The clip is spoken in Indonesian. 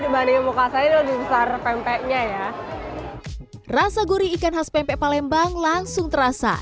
dibanding muka saya lebih besar pempeknya ya rasa gurih ikan khas pempek palembang langsung terasa